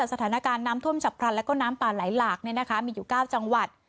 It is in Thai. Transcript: สถานการณ์น้ำท่วมฉับพรรณและก็น้ำป่าไหลหลากเนี่ยนะคะมีอยู่เก้าจังหวัด